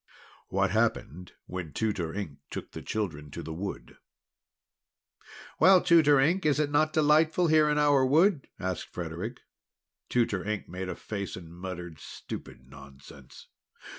WHAT HAPPENED WHEN TUTOR INK TOOK THE CHILDREN TO THE WOOD "Well, Tutor Ink, is it not delightful here in our wood?" asked Frederic. Tutor Ink made a face, and muttered: "Stupid nonsense!